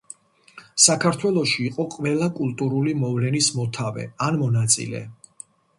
საქართველოში იყო ყველა კულტურული მოვლენის მოთავე ან მონაწილე.